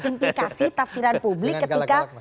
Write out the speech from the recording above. implikasi tafsiran publik ketika